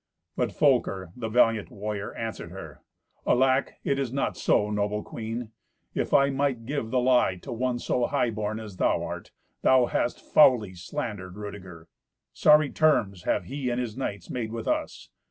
But Folker, the valiant warrior, answered her, "Alack! it is not so, noble queen. If I might give the lie to one so high born as thou art, thou hast foully slandered Rudeger. Sorry terms have he and his knights made with us.